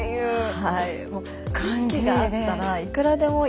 はい。